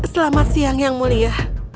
selamat siang yang mulia